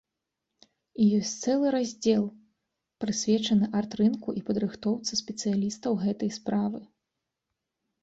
І ёсць цэлы раздзел, прысвечаны арт-рынку і падрыхтоўцы спецыялістаў гэтай справы.